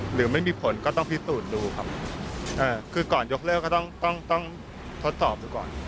หรือไม่มีผลก็ต้องพิสูจน์ดูครับคือก่อนยกเลิกก็ต้องต้องทดสอบดูก่อน